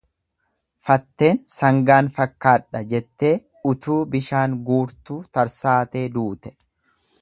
Fatteen sangaan fakkaadha, jettee utuu bishaan guurtuu tarsaatee duute.